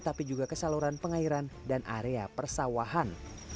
tapi juga ke saluran pengairan dan area persawahan